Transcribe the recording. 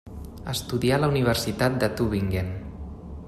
Estudià a la Universitat de Tübingen.